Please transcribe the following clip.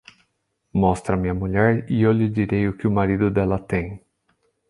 Mostre-me a mulher e eu lhe direi o que o marido dela tem.